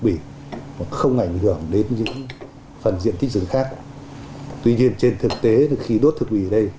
bị mà không ảnh hưởng đến những phần diện tích rừng khác tuy nhiên trên thực tế khi đốt thực bì ở đây